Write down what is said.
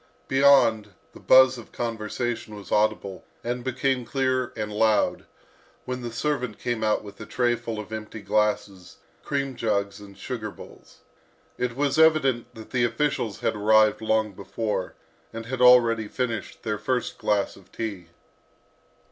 Beyond, the buzz of conversation was audible, and became clear and loud, when the servant came out with a trayful of empty glasses, cream jugs and sugar bowls. It was evident that the officials had arrived long before, and had already finished their first glass of tea.